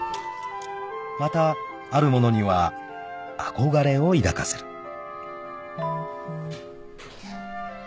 ［またあるものには憧れを抱かせる］